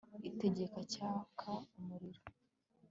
ikigega cyaka umuriro